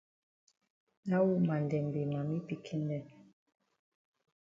Dat woman dem be mami pikin dem.